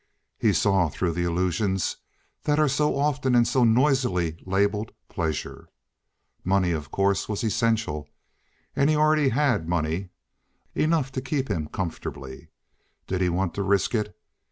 He saw through the illusions that are so often and so noisily labeled pleasure. Money, of course, was essential, and he had already had money—enough to keep him comfortably. Did he want to risk it?